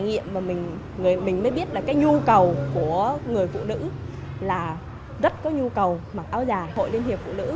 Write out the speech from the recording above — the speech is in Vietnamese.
nghiệm mà mình mới biết là cái nhu cầu của người phụ nữ là rất có nhu cầu mặc áo dài hội liên hiệp phụ nữ